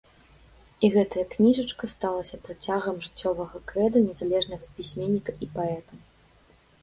І гэтая кніжачка сталася працягам жыццёвага крэда незалежнага пісьменніка і паэта.